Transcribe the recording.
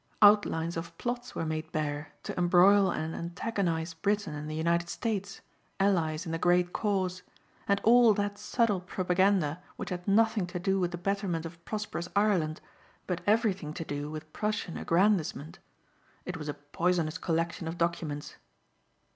Outlines of plots were made bare to embroil and antagonize Britain and the United States allies in the great cause and all that subtle propaganda which had nothing to do with the betterment of prosperous Ireland but everything to do with Prussian aggrandizement. It was a poisonous collection of documents.